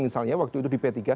misalnya waktu itu di p tiga